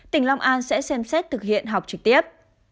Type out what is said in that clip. tỉnh long an sẽ xem xét thực hiện học trực tiếp